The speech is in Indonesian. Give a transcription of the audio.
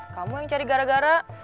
kamu yang cari gara gara